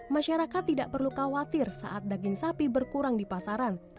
masyarakat tidak perlu khawatir saat daging sapi berkurang di pasaran